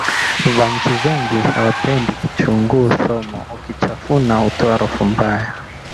Vanchu vengi hawapendi kichunguu thomo ukichafuna hutowa harufu mbaya